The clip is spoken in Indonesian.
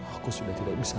aku sudah tidak bisa